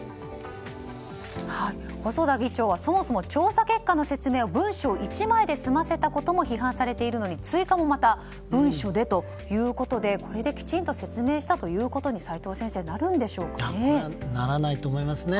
細田議長はそもそも調査結果の説明を文書１枚で済ませたことに批判されているのに追加もまた文書でということでこれできちんと説明したということに齋藤先生、なるんでしょうかね。